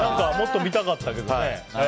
もっと見たかったけどね。